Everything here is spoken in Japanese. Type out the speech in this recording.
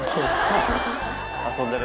遊んでる。